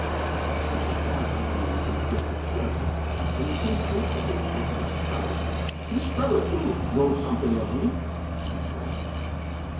He turned his back on me in complete disgust. And he came face to face with Miss Trevor. "Miss Trevor, too, knows something of me," he said.